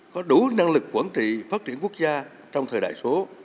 có đủ năng lực quản trị phát triển quốc gia trong thời đại số